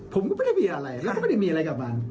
ผมก็ได้มีอะไรกับมัน